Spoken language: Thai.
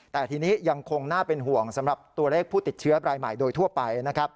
แต่ทีนี้ยังคงน่าเป็นห่วงสำหรับตัวเลขผู้ติดเชื้อรายใหม่โดยทั่วไปนะครับ